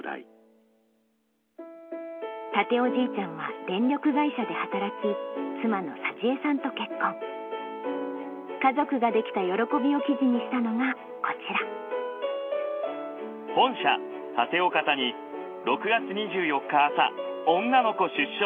健夫じいちゃんは電力会社で働き妻の幸恵さんと結婚家族ができた喜びを記事にしたのがこちら「本社健夫方に６月２４日朝女の子出生！」